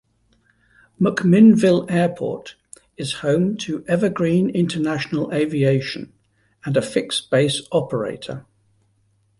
McMinnville Airport is home to Evergreen International Aviation and a fixed-base operator.